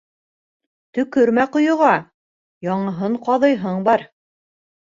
Төкөрмә ҡойоға, яңыһын ҡаҙыйһың бар.